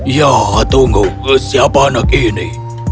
ya tunggu siapa anak ini